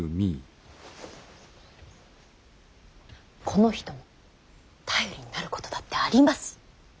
この人も頼りになることだってあります。